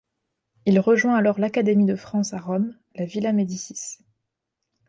Il rejoint alors l'Académie de France à Rome, la Villa Médicis.